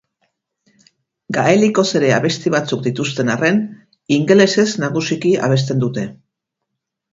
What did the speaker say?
Gaelikoz ere abesti batzuk dituzten arren, ingelesez nagusiki abesten dute.